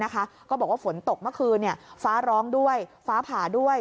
ก็บอกว่าฝนตกเมื่อคืนฟ้าร้องด้วยฟ้าผ่าด้วย